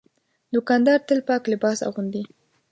دوکاندار تل پاک لباس اغوندي.